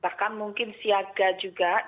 dan puncaknya di februari